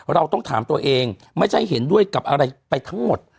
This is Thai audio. เราต้องถามตัวเองไม่ใช่เห็นด้วยกับอะไรไปทั้งหมด